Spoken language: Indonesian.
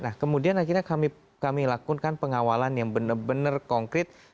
nah kemudian akhirnya kami lakukan pengawalan yang benar benar konkret